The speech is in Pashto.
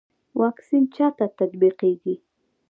واکسین چا ته تطبیقیږي؟